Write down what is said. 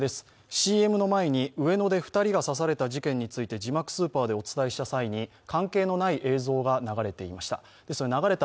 ＣＭの前に上野で２人が刺された事件について字幕スーパーでお伝えした際に関係のない映像が流れていました。